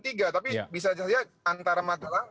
tapi bisa saja antara matahalang